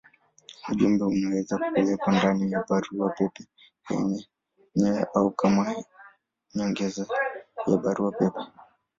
Ujumbe unaweza kupelekwa ndani ya barua pepe yenyewe au kama nyongeza ya barua pepe.